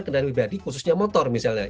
kendaraan pribadi khususnya motor misalnya